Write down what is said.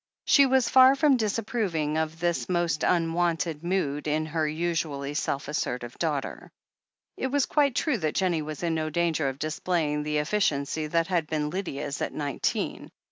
She was far from disapproving of this most un wonted mood in her usually self assertive daughter. It was quite true that Jennie was in no danger of displaying the efficiency that had been Lydia's at nine teen.